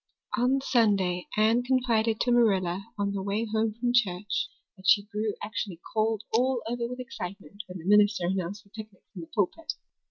On Sunday Anne confided to Marilla on the way home from church that she grew actually cold all over with excitement when the minister announced the picnic from the pulpit.